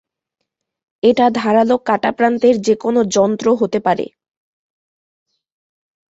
এটা ধারালো কাটা প্রান্তের যেকোনো যন্ত্র হতে পারে।